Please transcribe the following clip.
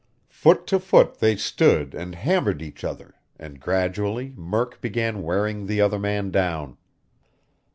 Foot to foot they stood and hammered each other, and gradually Murk began wearing the other man down.